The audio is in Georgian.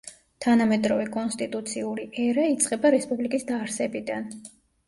თანამედროვე კონსტიტუციური ერა იწყება რესპუბლიკის დაარსებიდან.